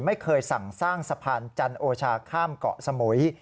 ไม่เคยสั่งสร้างสะพานจันโอชาข้ามเกาะสมุย